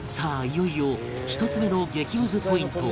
いよいよ１つ目の激ムズポイント